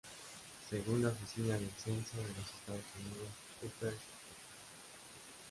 Según la Oficina del Censo de los Estados Unidos, Upper St.